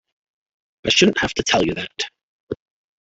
I shouldn't have to tell you that.